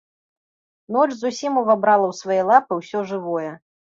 Ноч зусім увабрала ў свае лапы ўсё жывое.